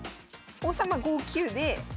王様５九で。